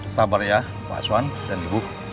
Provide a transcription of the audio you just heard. sabar ya pak aswan dan ibu